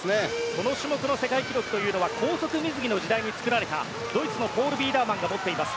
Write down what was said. この種目の世界記録は高速水着の時代に作られたドイツのポール・ビーダーマンが持っています。